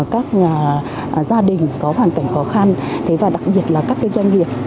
các gia đình có hoàn cảnh khó khăn và đặc biệt là các doanh nghiệp